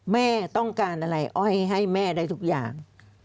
แม่ต้องการอะไรอ้อยให้แม่ได้ทุกอย่าง